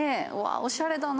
おしゃれだな。